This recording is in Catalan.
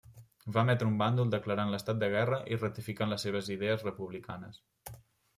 Va emetre un bàndol declarant l'estat de guerra i ratificant les seves idees republicanes.